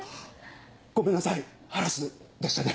ごめんなさいハラスでしたね。